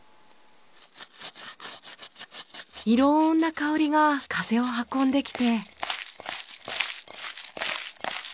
色んな香りが風を運んできて。